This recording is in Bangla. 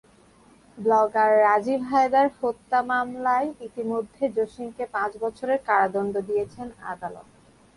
ব্লগার রাজীব হায়দার হত্যা মামলায় ইতিমধ্যে জসিমকে পাঁচ বছরের কারাদণ্ড দিয়েছেন আদালত।